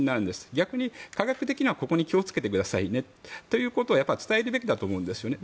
逆に科学的にはここに気をつけてくださいねということは伝えるべきだと思うんですよね。